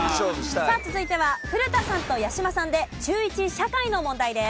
さあ続いては古田さんと八嶋さんで中１社会の問題です。